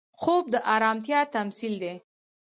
خوب د ارامتیا تمثیل دی